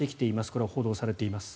これは報道されています。